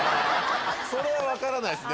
それは分からないです。